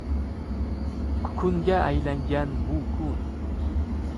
Kukunga aylangan bu kun